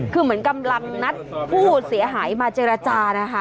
คือเหมือนกำลังนัดผู้เสียหายมาเจรจานะคะ